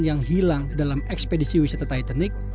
yang hilang dalam ekspedisi wisata titanic